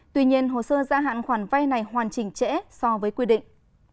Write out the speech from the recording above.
tuy nhiên hồ sơ gia hạn khoản vay này hoàn chỉnh trễ so với quy định